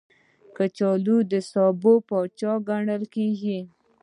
کچالو د سبو پاچا ګڼل کېږي